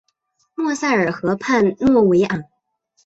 莫塞尔河畔诺韦昂。